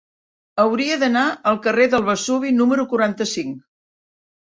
Hauria d'anar al carrer del Vesuvi número quaranta-cinc.